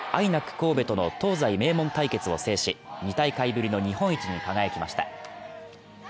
神戸との東西名門対決を制し２大会ぶりの日本一に輝きました。